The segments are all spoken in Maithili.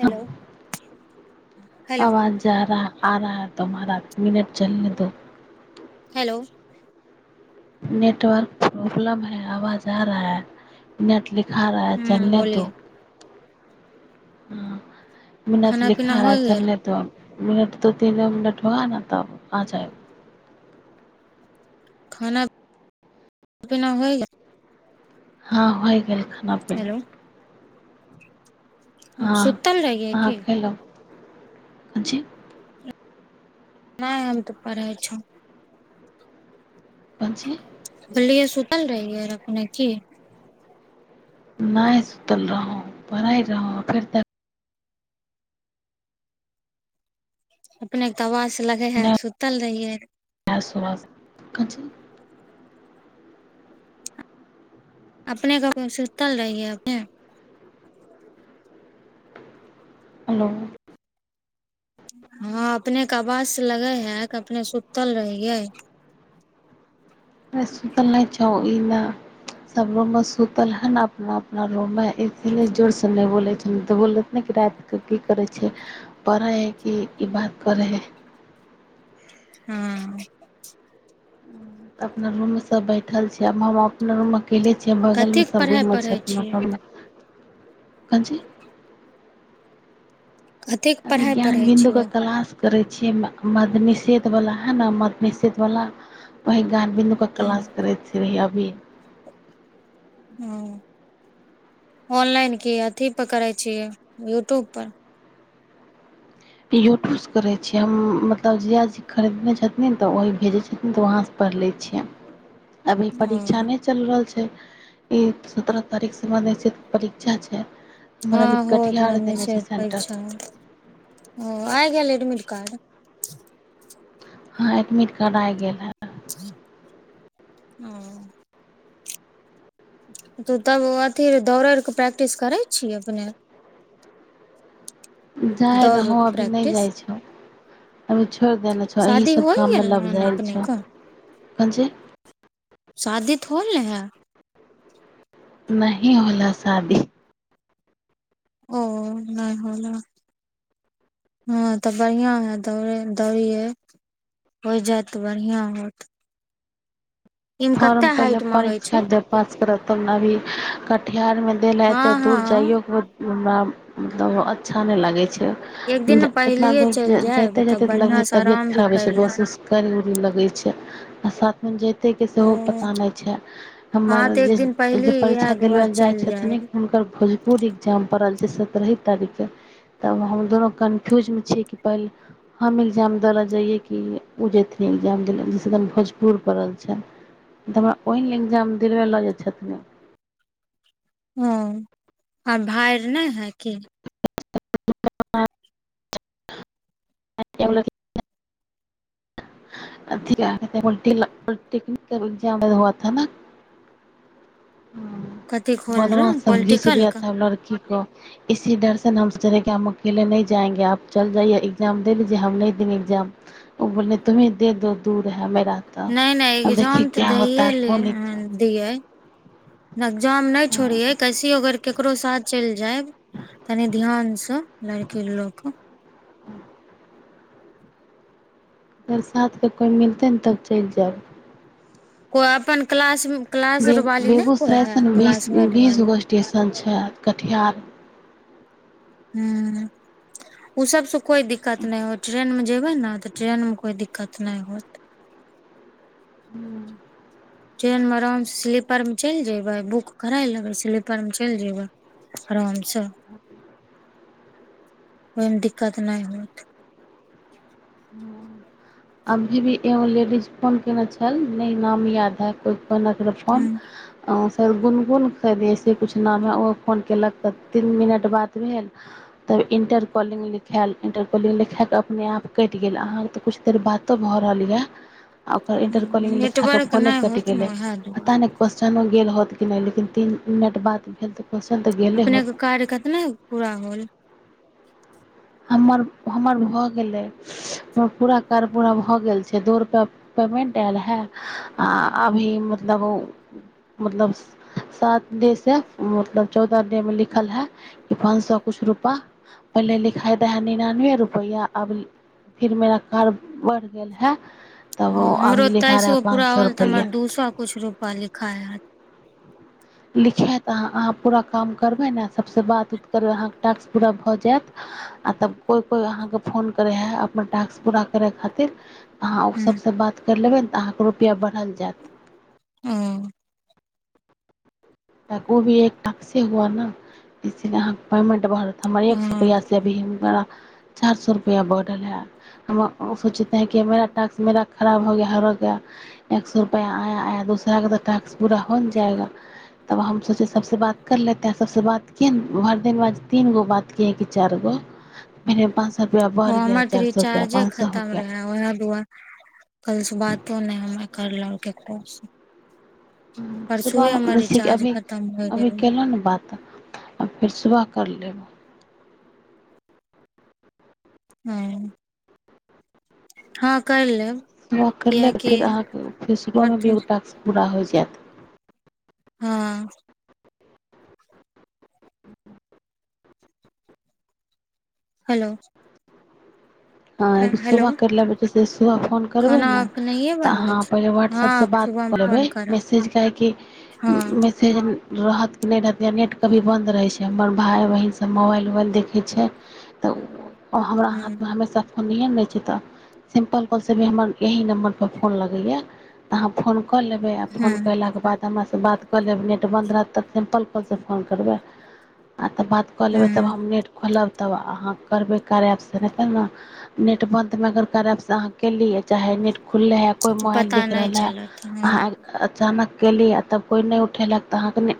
हेलो हेलो आवाजारहा आरा है तुम्हारा मिनट चलने दो हेलौ नेटवर्क प्रॉब्लम है आवाज आ रहा है नेट लिखा रहा है ह चलने बोलिए दो। हँ मुनत खाना पीना लिखारा होइ गेल चलने दो अब मिनट तऽ तीन मिनट हुआ ने तब आ जाय। खाना पीना होय गेल हँ होये गेल खा ना पीना हेलो हँ सुतल रहियै अहां की खेलौं अ जी नहि हम तऽ पढ़ै छौ पजी [unintelligible] खोललियऐ सुतल रहियै अपने की? नहि सुतल रहौ पड़ै रहौं फेर तऽ अपने तवा से लगे है नहि सुतल रहियै। क छै अपने क सुतल रहिए अपने हेलो हँ अपनेके आवाज से लगै है क अपने सुतल रहियै। नहि सुतल नहि छौ। ई नहि सभ रूममे सुतल हइ ने अपना अपना रूममे इसीलिए जोरसँ नहि बोलै छौ। तऽ बोलत ने कि रातिकेँ की करै छिय पढ़ै हइ कि ई बात करै हइ। हँ अपना रूममें सब बैठल छी आब हम अपना रूम मे अकेले छियै कथी बगलमे के सब पढ़ाइ रूममे पढ़ै छैथ छियै अपना। कन ची? कथी के अभी पढ़ाइ ज्ञान पढ़ै बिन्दु के छियै क्लास करै छियै मदनिषेद बला है न मदनिषेद बला ओहि गान बिन्दू क क्लास करै छी अभी। ह ऑनलाइन की अथीप करै छियै यूट्यूबपर। यूट्यूबसँ करै छियै हम मतलब जिया जी खरीदने छथिन तऽ वही भेजै छथिन तऽ वहाँसँ पढ़ि लै छियै। अभी ओ परीक्षा नहि चल रहल छैय। ई सत्रह तारिख स छैय परीक्षा छैय। हँ हो [unintelligible] ओ आइ गेल एडमिट कार्ड? हँ एडमिट कार्ड आ गेल है। हँ तऽ तब अथी दौड़यके प्रैक्टिस करै छीये अपने। जाइ दौड़ रहौ के अभी नहि प्रैक्टिस जाइ छौ अभी छोड़ि देने छौ शादी एहीसभ होइ काममे गेल लभ हन जाायल छौ अपनेके कौन चि? शादि त हो गेल है? नही होला शादी। ओ नहि होला, हँ तऽ बढ़िआँ हए दौड़ै दौड़ियै होय जायत तऽ बढ़िआँ होत। इमे कते फॉर्म पहिले हाइट मांगे परीक्षा छै देब पास करत तब ने अभी कटिहारमे देल ह हँ एतेक दूर हँ जाइयओके हमरा मतलब अच्छा नय लागै छैय। एक दिन इतना पहिलिये दूर चलि जायब जाइते तब जाइते लगै बढ़िया से तबियत आराम भी खराब होइ बस कर उस लेब महसूस करय उरय लगै छैय। आ साथ में जीतय के सेहो ओ पता नहि छैय हँ हमर तऽ एक जे दिन पहिली जे इएह परीक्षा देल दुआर ल जाय चलि छथिन जायब हुनकर भोजपुर एग्जाम पड़ल ज सतरही तारीखके तब हम दुनू कन्फ्यूजमे छियै कि पहिले हम एग्जाम दै लऽ जइए कि ओ जथिन एग्जाम दै ल जैसद भोजपुर पड़ल छनि। तऽ हमरा ओहि न एग्जाम दिलबय लऽ जाइ छथिन। ओ आ भाय नहि है की? [unintelligible] [unintelligible] कथी खोल बदमा रहे सब घीच पोलिटिकल लिया क था लड़की को इसी डर से हमलेे हम अकेले नहि जाएंगे आप चल जाइयए एग्जाम दे लीजे हम नहि देंगे एग्जाम ओ बोल तुमही दे दो दू है मेरा तो नहि नहि अब देखिए एग्जाम तऽ क्या होता दैए है ले कौन एग्जाम दियै। नकजो हम नहि छोड़ी है कैसी अगर केकरो साथ चलि जायब तनि ध्यान से लड़की लोग क तर साथकेँ कोइ मिलतै ने तब चलि जायब। को अपन क्लाासमें बे बेगूसरायसँ ने बीस वाली बीसगो स्टेशन छैय कटिहार ह ओ सब सु कोय दिक्कत नहि हो ट्रेनमे जेबै ने तऽ ट्रेनमे कोइ दिक्कत नहि होत [inaudible] ट्रेन मे आराम से स्लीपर में चलि जेबै बुक कराय लेबै स्लीपर में चलि जेयबै आराम अचछा ओहिमे दिक्कत नहि होत अभी भी एगो लेडीज फोन केने छल नहि नाम याद है को ने रहै फोन हूँ फेर गुनगुन ख दैसे किछु नाम हइ ओहो फोन कलक तऽ तीन मिनट बात भेल तब इन्टर कॉलिंग लिखायल इन्टर कॉलिंग लिखके अपने आपके कटि गेल अहाँकेँ तऽ किछु देर बातो भऽ रहल यए आ ओकर इंटर कॉलिंग लिखा के नेटवर्क फोने नहि कटि होत ने गेले उएह दुआरे पता नहि चहनो गेल होत कि नहि लेकिन तीन मिनट बात भेल तऽ क्वेश्चन तऽ गेले अपनेके होत कार्य कतना पूरा होल हमर हमर भऽ गेलै हमर पूरा कार्य पूरा भऽ गेल छै दू रुपैआ पेमेंट आयल हे आ अभी मतलब मतलब सात डेसँ मतलब चौदह डे मे लिखल हे कि पाँच सए किुछु रुपआ पहिले लिख फायदा हइ निनानबे रुपैआ अब फिर मेरा कार बढ़ि गेल हए ह हमरो तेइस गो पूरा सए होल तऽ रुपैआ हमर दू सए किछु रुपा लिखाय हय लिखायत अहाँ अहाँ पूरा काम करबै ने सभसँ बात उत करब अहाँके टास्क पूरा भऽ जायत आ तब कोइ कोइ अहाँके फोन करै हइ अपनना टास्क पूरा करय खातिर अहाँ ओ सबसँ बात लेबै ने तऽ अहाँके रुपैआ बढ़ल जायत हुं त ओ भी एक टक से हुआ ने इसीलिए अहाँ पेमेंट भर हमर एक सपैआ से भी बड़ा चारि सए रुपैआ बढ़ल हए हम सोचतेै कि मेरा टास्क मेरा खराब हो गया हर हो ग एक सए रुपैआ आया आया दूसराकेँ तऽ टक्स पूरा हो ने जायगा तब हम सोचे सबसँ बात कर लेतेैं सबसँ बात कए ने भर दिन बाद तीन गो बात कए कि चार गो म प ओ हमर तऽ रिचार्जे हो खतम गया रहे ओएह दुआरे कल स बातो नहि हमे करलों [unintelligible] सुबह बेस अभी खतम होइ अभी गेल कलहु ने बात आ फेर सुबह कर देब हँ हँ कैर लेब सुबह कैर लेब कियकि फेर अहाँ के फेर सुबहमे ओ टास्क पूरा होय जाय जाएत हँ हेलो हँ एगो हेलो सुबह करि लेबै जिसे सुबह फोन करबै खाना ने अपनहिए तऽ बनबै अहाँ छी पहिले वाट्सऐपसँ हँ बात सुबह मे कऽ लेबै फोन करब मैसेज काहेकि हँ मैसेज रहत कि नहि रहत या नेट कभी बन्द रहै छै हमर भाय बहिन सब मोबाइल उबाइल देखै छै तऽ ओ हमरा ह हाथमे हमेशा फोनिए नहि छै तऽ सिम्पल कॉलसँ भी हमर यह नम्बर पर फोन लगैए तऽ अहाँ फोन कऽ लेबै आओ ह फोनयलाके बाद हमरा से बात कऽ लेब नेट बन्द रहत तऽ सिम्पल कलसँ फोन करबै आ तब बात कऽ लेबै तब हूँ हम नेट खोलब तब अहाँ करबै कार आपसँ नहि तब ने नेट बंन्द मे अगर करेब से अहाँ किय चाहे नेट खुलले हइ कोइ मोबाइल पता देख नहि रहल हइ चलत हँ अहाँ अचानक कली आ तब कोइ नहि उठेलक तऽ अहाँके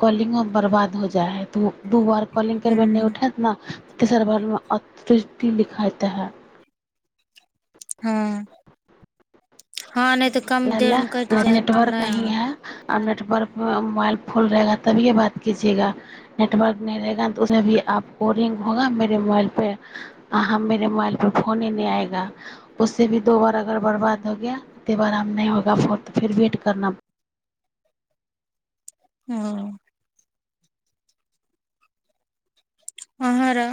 कॉलिंगो बर्बाद हो जाइ हइ तऽ दू बार कॉलिङंगग करबै नहि हूँ उठत ने सर्वरमे ी लिखाइता है हँ हँ नहि तऽ कम देरमे कटि जायत तऽ नटवक नहि आब नहिय आर नेटवर्क मोबाइल फोल रहेगा तभिएे बात कीजएगा नेटवर्क नहि रहेगा ने उमे भी आपक रिंंग होगा मरे मोबाइलपे आ हम मेरे मोबाइलपे फोन ही नहि आएगा उससँ भी दो बार अगर बर्बाद हो गया तब आराम नहि होगा फोर तऽ फेर वेट करना हँ अहाँ र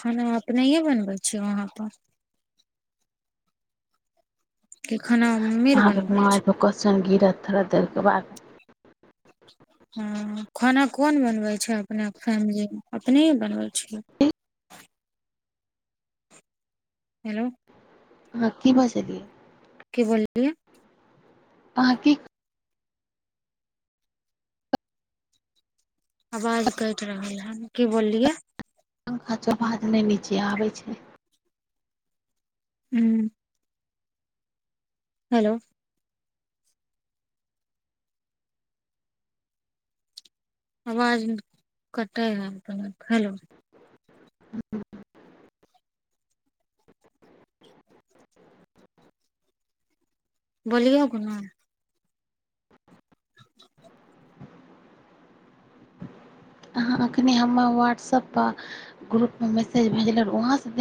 खाना अप नहिए बनबै छीिय वहाँ पर खाना मम्मी आर अह बनबै म छै कबाक ह खाना कोन बनवे छै अपना फैमिली अपने बनबे ठ हेलो ह क ब चलियए की बलै अहाँकी आवाज कटि रहल हन की बोललियै पङ्खा चौभा जे नहि नीचे आबै छै ह्म हेलो आवाज कटै ह हेलो बोलियौ कोना अहाँ एखनी हमर व्हाट्सअप पर ग्रुपमे मैसेज भेजल वहाँ से देख